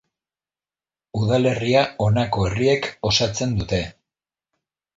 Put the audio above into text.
Udalerria honako herriek osatzen dute.